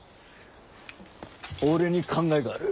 俺に考えがある。